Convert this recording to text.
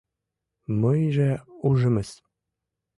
— Мыйже ужымыс.